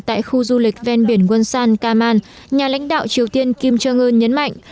tại khu du lịch ven biển wonsan kaman nhà lãnh đạo triều tiên kim jong un nhấn mạnh